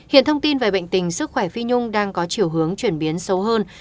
hiện thông tin về bệnh tình sức khỏe phi nhung đang có chiều hướng chuyển biến sâu hơn